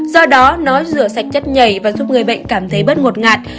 do đó nó rửa sạch chất nhảy và giúp người bệnh cảm thấy bớt ngột ngạt